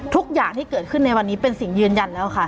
ทุกอย่างที่เกิดขึ้นในวันนี้เป็นสิ่งยืนยันแล้วค่ะ